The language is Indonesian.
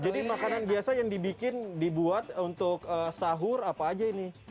jadi makanan biasa yang dibuat untuk sahur apa aja ini